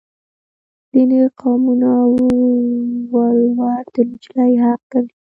ځینې قومونه ولور د نجلۍ حق ګڼي.